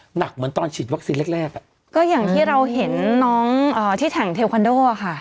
หนักเหมือนตอนฉีดวัคซีนแรกแรกอ่ะก็อย่างที่เราเห็นน้องที่ถังเทคอนโดอ่ะค่ะ